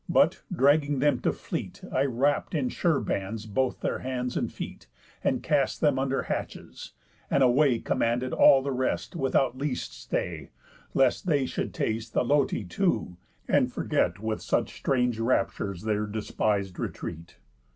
But, dragging them to fleet, I wrapt in sure bands both their hands and feet, And cast them under hatches, and away Commanded all the rest without least stay, Lest they should taste the lote too, and forget With such strange raptures their despis'd retreat.